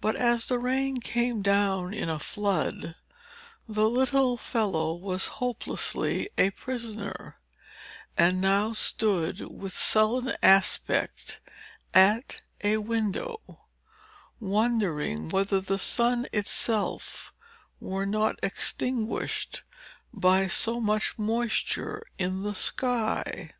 But as the rain came down in a flood, the little fellow was hopelessly a prisoner, and now stood with sullen aspect at a window, wondering whether the sun itself were not extinguished by so much moisture in the sky.